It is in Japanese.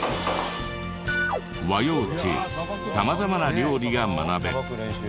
和洋中様々な料理が学べ。